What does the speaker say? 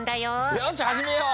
よしはじめよう！